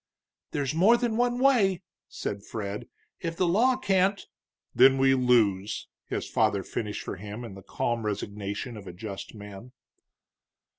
"There's more than one way," said Fred. "If the law can't " "Then we lose," his father finished for him, in the calm resignation of a just man.